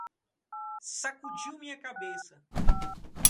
Sacudiu minha cabeça